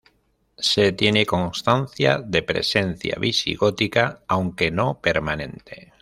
Se tiene constancia de presencia visigótica, aunque no permanente.